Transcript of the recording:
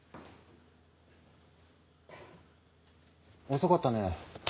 遅かったね。